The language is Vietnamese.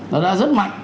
nó đã rất mạnh